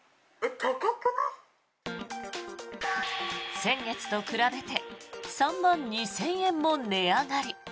先月と比べて３万２０００円も値上がり。